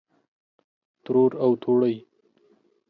ترور او توړۍ